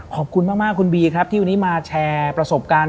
ขอบคุณมากคุณบีครับที่วันนี้มาแชร์ประสบการณ์